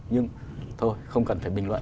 nhưng thôi không cần phải bình luận